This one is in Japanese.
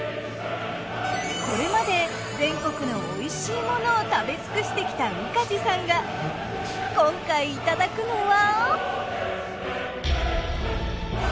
これまで全国のおいしいものを食べつくしてきた宇梶さんが今回いただくのは。